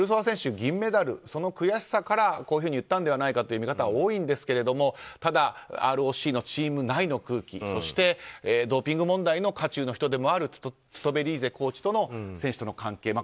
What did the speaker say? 選手、銀メダルその悔しさからこういうふうに言ったんではないかという見方は多いんですがただ、ＲＯＣのチーム内の空気そして、ドーピング問題の渦中の人でもあるトゥトベリーゼコーチとの選手との関係